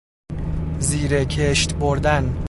زیر کشت بردن